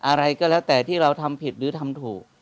อะไรก็แล้วแต่ที่เราทำผิดหรือทำถูก